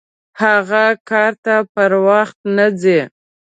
هغه کار ته پر وخت نه راځي!